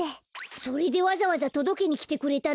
それでわざわざとどけにきてくれたの？